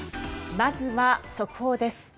まずは速報です。